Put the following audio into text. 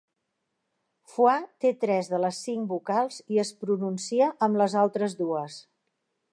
'Foie' té tres de les cinc vocals i es pronuncia amb les altres dues.